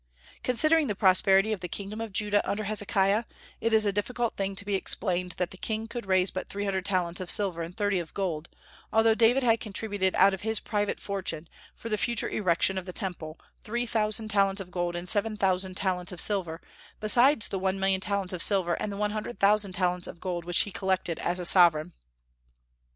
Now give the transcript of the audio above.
Considering the prosperity of the kingdom of Judah under Hezekiah, it is a difficult thing to be explained that the king could raise but three hundred talents of silver and thirty of gold, although David had contributed out of his private fortune, for the future erection of the Temple, three thousand talents of gold and seven thousand talents of silver, besides the one million talents of silver and one hundred thousand talents of gold which he collected as sovereign.